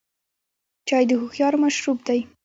چای د هوښیارو مشروب دی.